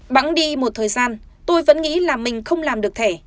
vắng đi một thời gian tôi vẫn nghĩ là mình không làm được thẻ